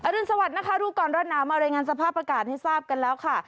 อรึณสวัสดิ์นะคะดูก่อนรอดน้ำอะไรอย่างงั้นสภาพอากาศให้ทราบกันแล้วค่ะ